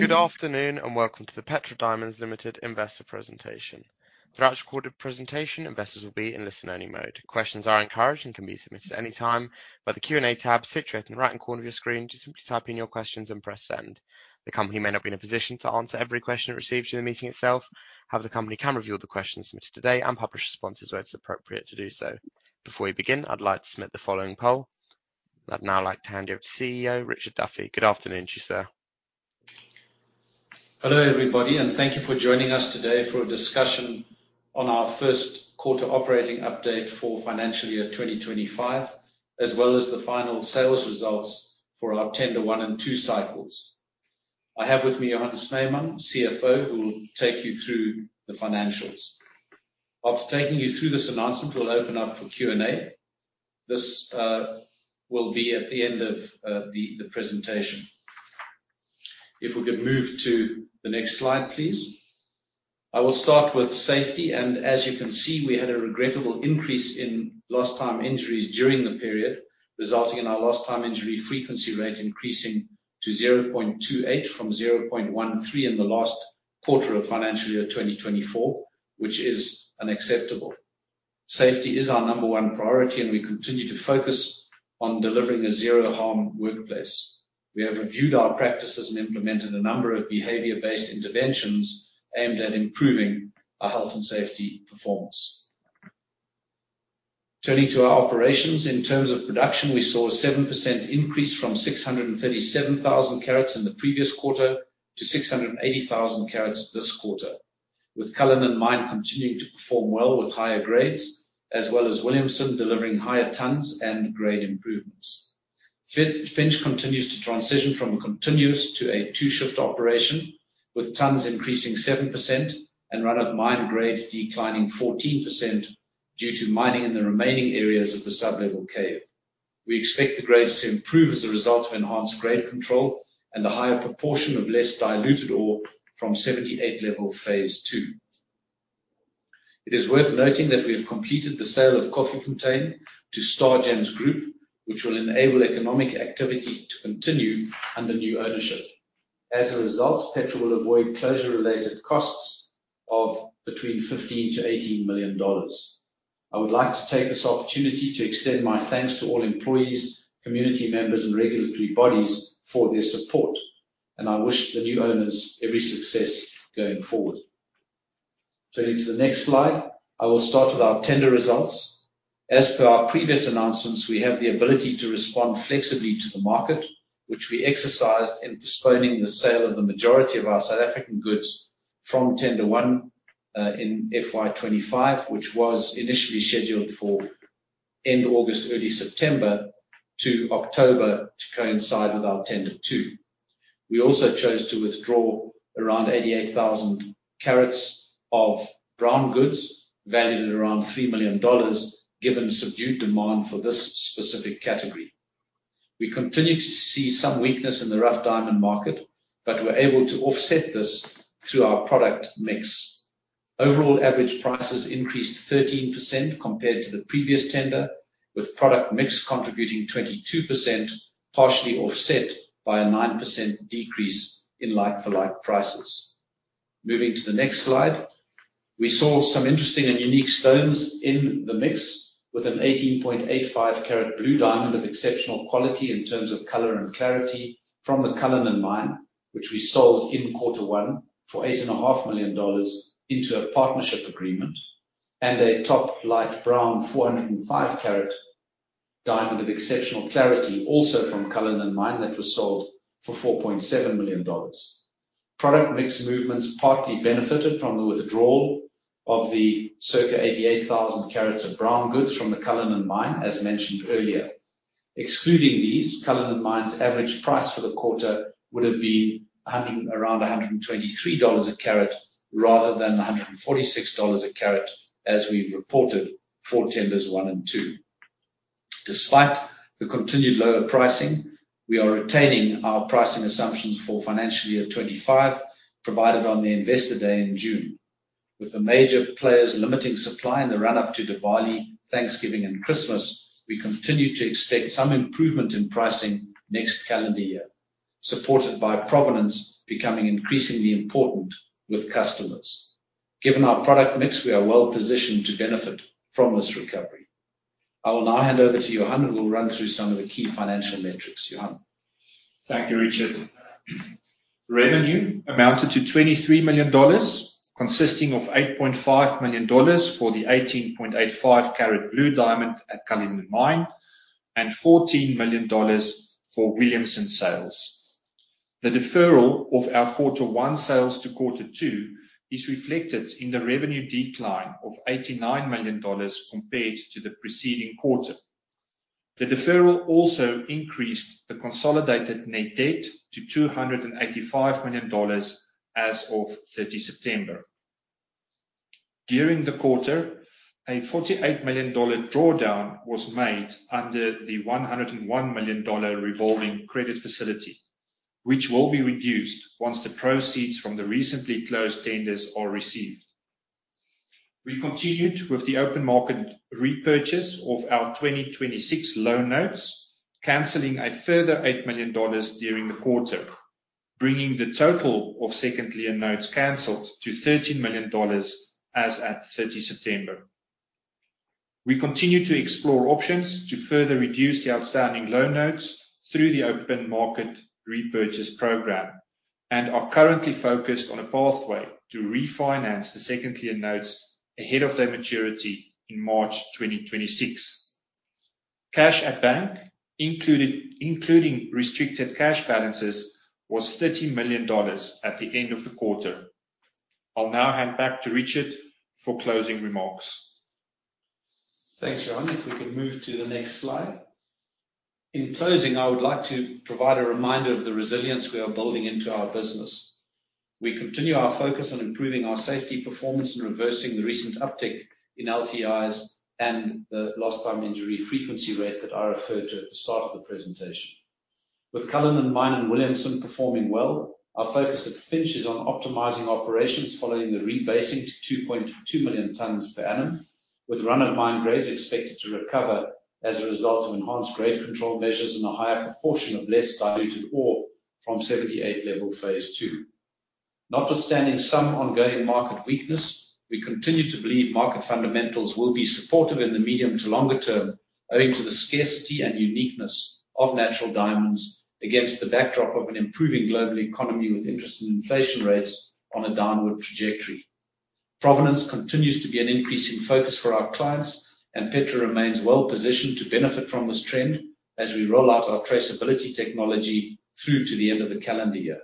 Good afternoon, and welcome to the Petra Diamonds Limited investor presentation. Throughout this recorded presentation, investors will be in listen-only mode. Questions are encouraged and can be submitted at any time by the Q&A tab situated in the right-hand corner of your screen. Just simply type in your questions and press Send. The company may not be in a position to answer every question it receives during the meeting itself, however, the company can review all the questions submitted today and publish responses where it's appropriate to do so. Before we begin, I'd like to submit the following poll. I'd now like to hand you over to CEO, Richard Duffy. Good afternoon to you, sir. Hello, everybody, and thank you for joining us today for a discussion on our first quarter operating update for financial year 2025, as well as the final sales results for our tender one and two cycles. I have with me Johan Snyman, CFO, who will take you through the financials. After taking you through this announcement, we'll open up for Q&A. This will be at the end of the presentation. If we could move to the next slide, please. I will start with safety, and as you can see, we had a regrettable increase in lost time injuries during the period, resulting in our lost time injury frequency rate increasing to 0.28 from 0.13 in the last quarter of financial year 2024, which is unacceptable. Safety is our number one priority, and we continue to focus on delivering a zero-harm workplace. We have reviewed our practices and implemented a number of behavior-based interventions aimed at improving our health and safety performance. Turning to our operations, in terms of production, we saw a 7% increase from 637,000 carats in the previous quarter to 680,000 carats this quarter, with Cullinan Mine continuing to perform well with higher grades, as well as Williamson delivering higher tonnes and grade improvements. Finsch continues to transition from a continuous to a two-shift operation, with tonnes increasing 7% and run-of-mine grades declining 14% due to mining in the remaining areas of the sublevel cave. We expect the grades to improve as a result of enhanced grade control and a higher proportion of less diluted ore from 78 Level Phase II. It is worth noting that we have completed the sale of Koffiefontein to Stargems Group, which will enable economic activity to continue under new ownership. As a result, Petra will avoid closure-related costs of between $15 million-$18 million. I would like to take this opportunity to extend my thanks to all employees, community members, and regulatory bodies for their support, and I wish the new owners every success going forward. Turning to the next slide, I will start with our tender results. As per our previous announcements, we have the ability to respond flexibly to the market, which we exercised in postponing the sale of the majority of our South African goods from tender one in FY 2025, which was initially scheduled for end August, early September to October, to coincide with our tender two. We also chose to withdraw around 88,000 carats of brown goods, valued at around $3 million, given subdued demand for this specific category. We continue to see some weakness in the rough diamond market, but we're able to offset this through our product mix. Overall, average prices increased 13% compared to the previous tender, with product mix contributing 22%, partially offset by a 9% decrease in like-for-like prices. Moving to the next slide. We saw some interesting and unique stones in the mix, with an 18.85 carat blue diamond of exceptional quality in terms of color and clarity from the Cullinan Mine, which we sold in quarter one for $8.5 million into a partnership agreement, and a top light brown 405 carat diamond of exceptional clarity, also from Cullinan Mine, that was sold for $4.7 million. Product mix movements partly benefited from the withdrawal of the circa 88,000 carats of brown goods from the Cullinan Mine, as mentioned earlier. Excluding these, Cullinan Mine's average price for the quarter would have been around a $123 a carat, rather than a $146 a carat, as we've reported for tenders one and two. Despite the continued lower pricing, we are retaining our pricing assumptions for financial year 2025, provided on the Investor Day in June. With the major players limiting supply in the run-up to Diwali, Thanksgiving, and Christmas, we continue to expect some improvement in pricing next calendar year, supported by provenance becoming increasingly important with customers. Given our product mix, we are well positioned to benefit from this recovery. I will now hand over to Johan, who will run through some of the key financial metrics. Johan? Thank you, Richard. Revenue amounted to $23 million, consisting of $8.5 million for the 18.85-carat blue diamond at Cullinan Mine, and $14 million for Williamson sales. The deferral of our quarter one sales to quarter two is reflected in the revenue decline of $89 million compared to the preceding quarter. The deferral also increased the consolidated net debt to $285 million as of September 30. During the quarter, a $48 million drawdown was made under the $101 million revolving credit facility, which will be reduced once the proceeds from the recently closed tenders are received. We continued with the open market repurchase of our 2026 loan notes, cancelling a further $8 million during the quarter, bringing the total of second lien notes canceled to $13 million as at 30 September. We continue to explore options to further reduce the outstanding loan notes through the open market repurchase program, and are currently focused on a pathway to refinance the second lien notes ahead of their maturity in March 2026. Cash at bank, including restricted cash balances, was $13 million at the end of the quarter. I'll now hand back to Richard for closing remarks. Thanks, Johan. If we could move to the next slide. In closing, I would like to provide a reminder of the resilience we are building into our business. We continue our focus on improving our safety performance and reversing the recent uptick in LTIs and the lost time injury frequency rate that I referred to at the start of the presentation. With Cullinan Mine and Williamson performing well, our focus at Finsch is on optimizing operations following the rebasing to 2.2 million tons per annum, with run-of-mine grades expected to recover as a result of enhanced grade control measures and a higher proportion of less diluted ore from 78 level phase two. Notwithstanding some ongoing market weakness, we continue to believe market fundamentals will be supportive in the medium to longer term, owing to the scarcity and uniqueness of natural diamonds against the backdrop of an improving global economy, with interest and inflation rates on a downward trajectory. Provenance continues to be an increasing focus for our clients, and Petra remains well positioned to benefit from this trend as we roll out our traceability technology through to the end of the calendar year.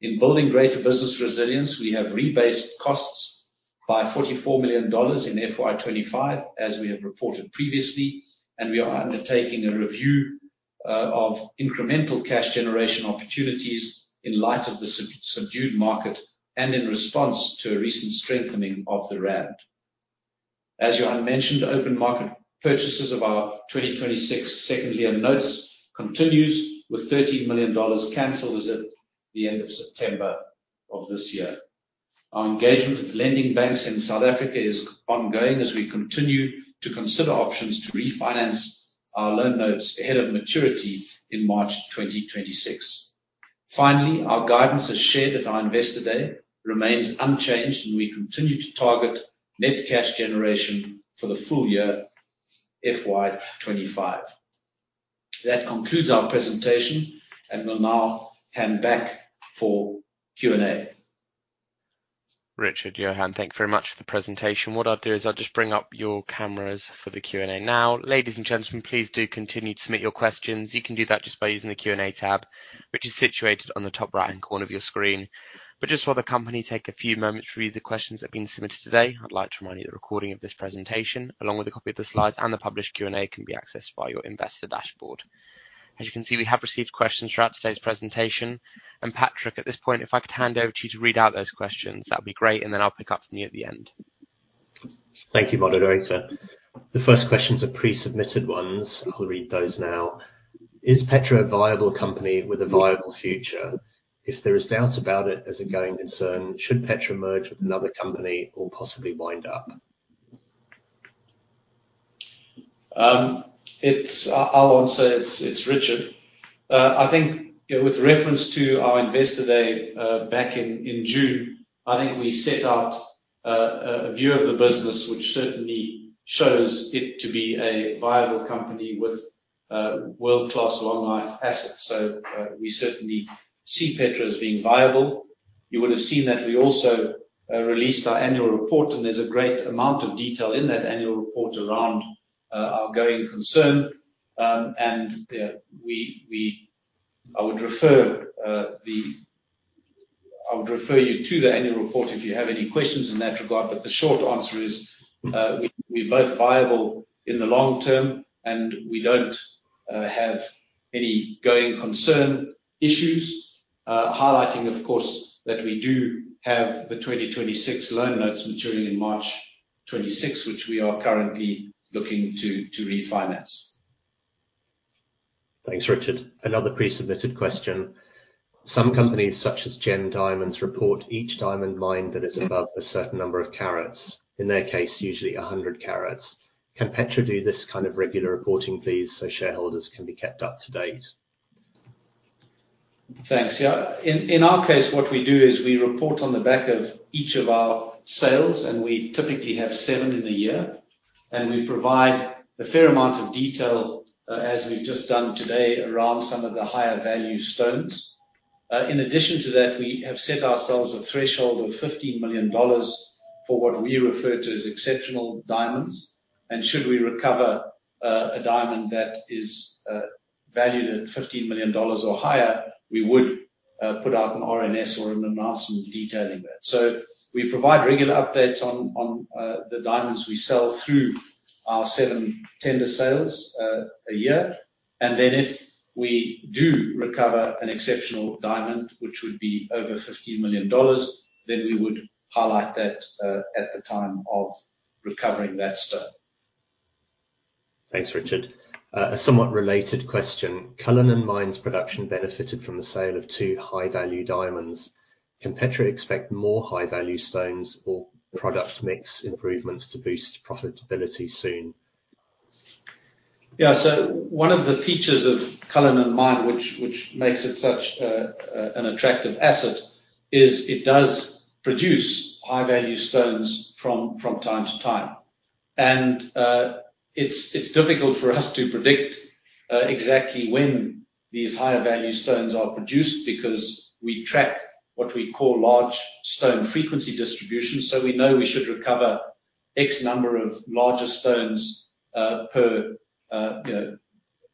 In building greater business resilience, we have rebased costs by $44 million in FY 2025, as we have reported previously, and we are undertaking a review of incremental cash generation opportunities in light of the subdued market and in response to a recent strengthening of the rand. As Johan mentioned, open market purchases of our 2026 second lien notes continues, with $13 million canceled as at the end of September of this year. Our engagement with lending banks in South Africa is ongoing as we continue to consider options to refinance our loan notes ahead of maturity in March 2026. Finally, our guidance, as shared at our Investor Day, remains unchanged, and we continue to target net cash generation for the full year FY 2025. That concludes our presentation, and we'll now hand back for Q&A. Richard, Johan, thank you very much for the presentation. What I'll do is I'll just bring up your cameras for the Q&A now. Ladies and gentlemen, please do continue to submit your questions. You can do that just by using the Q&A tab, which is situated on the top right-hand corner of your screen. But just while the company take a few moments to read the questions that have been submitted today, I'd like to remind you that a recording of this presentation, along with a copy of the slides and the published Q&A, can be accessed via your investor dashboard. As you can see, we have received questions throughout today's presentation, and Patrick, at this point, if I could hand over to you to read out those questions, that'd be great, and then I'll pick up from you at the end. Thank you, moderator. The first questions are pre-submitted ones. I'll read those now. Is Petra a viable company with a viable future? If there is doubt about it as a going concern, should Petra merge with another company or possibly wind up? It's Richard. I think, with reference to our Investor Day back in June, I think we set out a view of the business, which certainly shows it to be a viable company with world-class long-life assets. So we certainly see Petra as being viable. You would have seen that we also released our annual report, and there's a great amount of detail in that annual report around our going concern. I would refer you to the annual report if you have any questions in that regard, but the short answer is, we're both viable in the long term, and we don't have any going concern issues. Highlighting, of course, that we do have the 2026 loan notes maturing in March 2026, which we are currently looking to refinance. Thanks, Richard. Another pre-submitted question: Some companies, such as Gem Diamonds, report each diamond mine that is above a certain number of carats, in their case, usually a hundred carats. Can Petra do this kind of regular reporting please, so shareholders can be kept up to date? Thanks. Yeah. In our case, what we do is we report on the back of each of our sales, and we typically have seven in a year, and we provide a fair amount of detail, as we've just done today, around some of the higher value stones. In addition to that, we have set ourselves a threshold of $15 million for what we refer to as exceptional diamonds, and should we recover a diamond that is valued at $15 million or higher, we would put out an RNS or an announcement detailing that. So we provide regular updates on the diamonds we sell through our seven tender sales a year. And then if we do recover an exceptional diamond, which would be over $15 million, then we would highlight that at the time of recovering that stone. Thanks, Richard. A somewhat related question. Cullinan Mine's production benefited from the sale of two high-value diamonds. Can Petra expect more high-value stones or product mix improvements to boost profitability soon? Yeah, so one of the features of Cullinan Mine, which makes it such an attractive asset, is it does produce high-value stones from time to time. And it's difficult for us to predict exactly when these higher value stones are produced, because we track what we call large stone frequency distribution. So we know we should recover X number of larger stones, you know,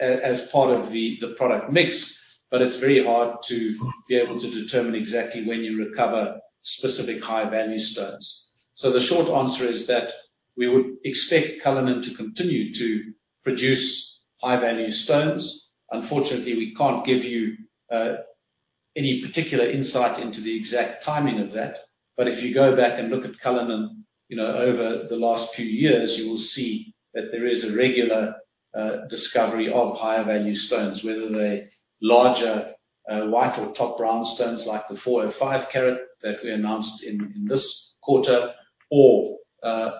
as part of the product mix, but it's very hard to be able to determine exactly when you recover specific high-value stones. So the short answer is that we would expect Cullinan to continue to produce high-value stones. Unfortunately, we can't give you any particular insight into the exact timing of that. But if you go back and look at Cullinan, you know, over the last few years, you will see that there is a regular discovery of higher value stones, whether they're larger white or top brown stones, like the four or five carat that we announced in this quarter, or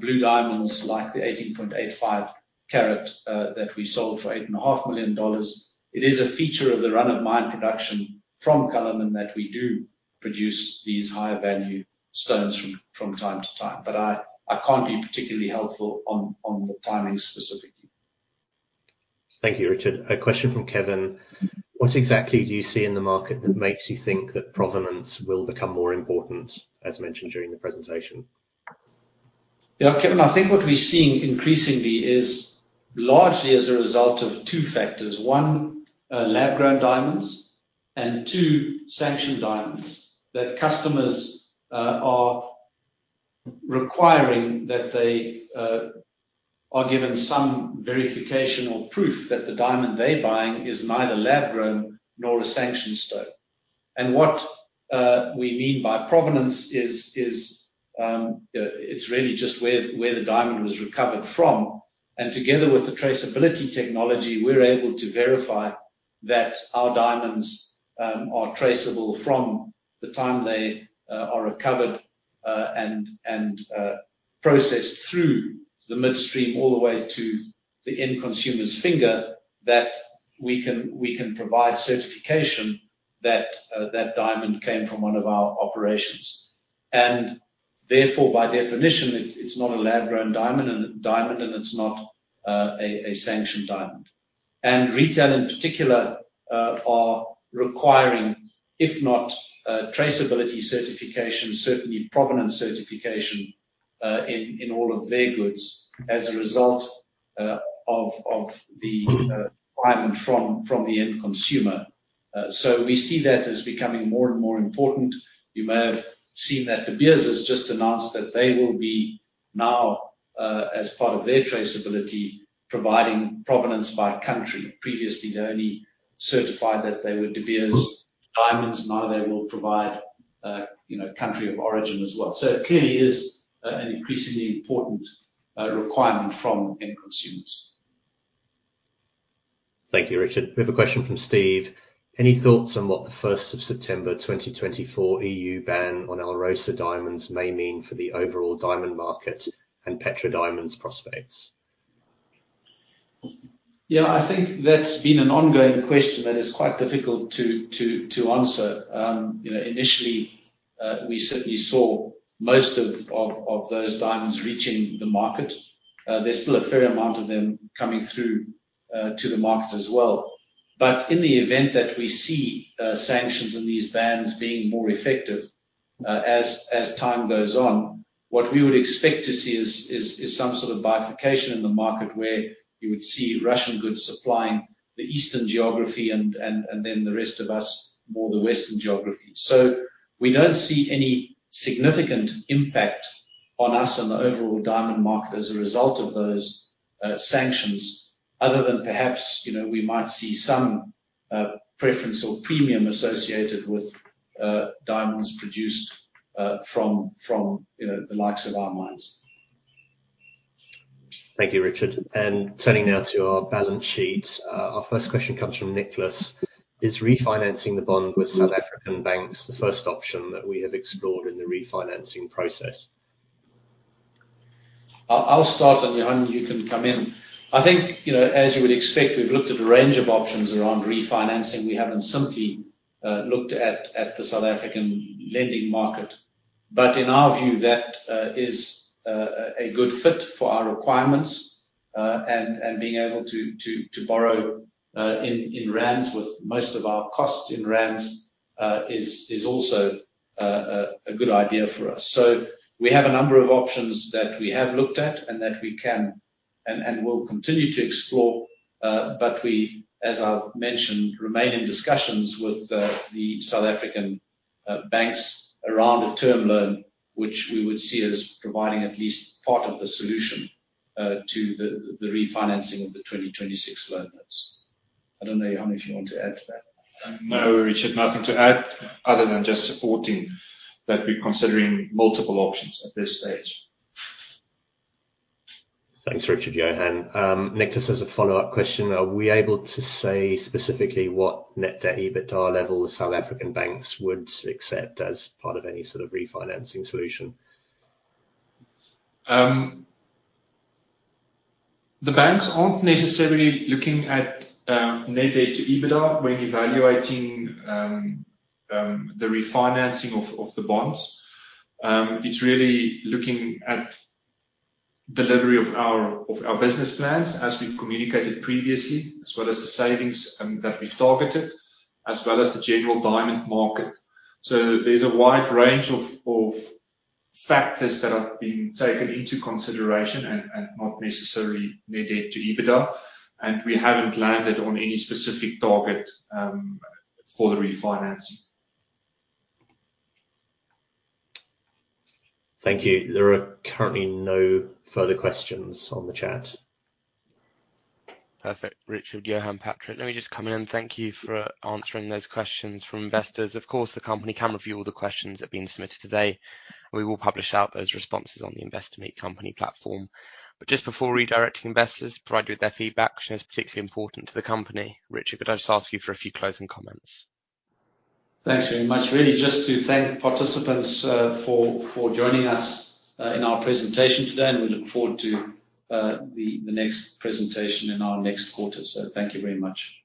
blue diamonds, like the 18.85 carat that we sold for $8.5 million. It is a feature of the run-of-mine production from Cullinan that we do produce these higher value stones from time to time. But I can't be particularly helpful on the timing specifically. Thank you, Richard. A question from Kevin: What exactly do you see in the market that makes you think that provenance will become more important, as mentioned during the presentation? Yeah, Kevin, I think what we're seeing increasingly is largely as a result of two factors: one, lab-grown diamonds, and two, sanctioned diamonds. That customers are requiring that they are given some verification or proof that the diamond they're buying is neither lab-grown nor a sanctioned stone. And what we mean by provenance is, it's really just where the diamond was recovered from. And together with the traceability technology, we're able to verify that our diamonds are traceable from the time they are recovered, and processed through the midstream, all the way to the end consumer's finger, that we can provide certification that that diamond came from one of our operations. And therefore, by definition, it, it's not a lab-grown diamond, and it's not a sanctioned diamond. And retail, in particular, are requiring, if not, traceability certification, certainly provenance certification, in all of their goods as a result of the demand from the end consumer. So we see that as becoming more and more important. You may have seen that De Beers has just announced that they will be now, as part of their traceability, providing provenance by country. Previously, they only certified that they were De Beers diamonds, now they will provide, you know, country of origin as well. So it clearly is an increasingly important requirement from end consumers. Thank you, Richard. We have a question from Steve. Any thoughts on what the first of September 2024 E.U. ban on Alrosa diamonds may mean for the overall diamond market and Petra Diamonds' prospects? Yeah, I think that's been an ongoing question that is quite difficult to answer. You know, initially, we certainly saw most of those diamonds reaching the market. There's still a fair amount of them coming through to the market as well. But in the event that we see sanctions and these bans being more effective, as time goes on, what we would expect to see is some sort of bifurcation in the market... ...where you would see Russian goods supplying the eastern geography and then the rest of us, more the western geography. So we don't see any significant impact on us and the overall diamond market as a result of those sanctions, other than perhaps, you know, we might see some preference or premium associated with diamonds produced from, you know, the likes of our mines. Thank you, Richard. Turning now to our balance sheet. Our first question comes from Nicholas: Is refinancing the bond with South African banks the first option that we have explored in the refinancing process? I'll start, and Johan, you can come in. I think, you know, as you would expect, we've looked at a range of options around refinancing. We haven't simply looked at the South African lending market. But in our view, that is a good fit for our requirements, and being able to borrow in rands, with most of our costs in rands, is also a good idea for us. So we have a number of options that we have looked at, and that we can and will continue to explore, but we, as I've mentioned, remain in discussions with the South African banks around a term loan, which we would see as providing at least part of the solution to the refinancing of the 2026 loan that I don't know, Johan, if you want to add to that? No, Richard, nothing to add, other than just supporting that we're considering multiple options at this stage. Thanks, Richard, Johan. Nicholas has a follow-up question: Are we able to say specifically what net debt EBITDA level the South African banks would accept as part of any sort of refinancing solution? The banks aren't necessarily looking at net debt to EBITDA when evaluating the refinancing of the bonds. It's really looking at delivery of our business plans, as we've communicated previously, as well as the savings that we've targeted, as well as the general diamond market. So there's a wide range of factors that are being taken into consideration and not necessarily net debt to EBITDA, and we haven't landed on any specific target for the refinancing. Thank you. There are currently no further questions on the chat. Perfect, Richard, Johan, Patrick, let me just come in. Thank you for answering those questions from investors. Of course, the company can review all the questions that have been submitted today. We will publish out those responses on the Investor Meet Company platform. But just before redirecting investors to provide you with their feedback, which is particularly important to the company, Richard, could I just ask you for a few closing comments? Thanks very much. Really, just to thank participants for joining us in our presentation today, and we look forward to the next presentation in our next quarter. So thank you very much.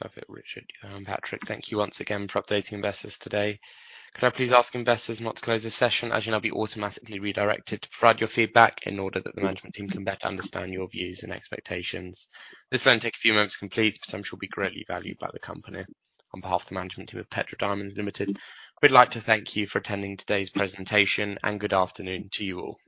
Perfect, Richard, Johan, Patrick, thank you once again for updating investors today. Could I please ask investors not to close this session, as you'll now be automatically redirected to provide your feedback in order that the management team can better understand your views and expectations. This will only take a few moments to complete, but I'm sure will be greatly valued by the company. On behalf of the management team of Petra Diamonds Limited, we'd like to thank you for attending today's presentation, and good afternoon to you all.